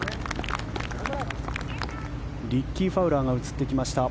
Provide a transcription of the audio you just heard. リッキー・ファウラーが映ってきました。